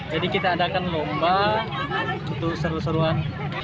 jadi kita adakan lomba itu seru seruan